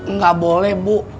nggak boleh bu